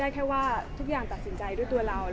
ไม่น่าแล้วค่ะเพราะว่าคิดว่ามันเป็นสิ่งที่พี่เขาก็อยากพูด